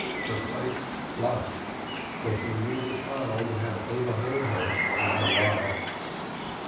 Her face flushed for she knew the child had overheard her in a lie.